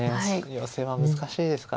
ヨセは難しいですから。